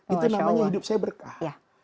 itu namanya hidup saya berkah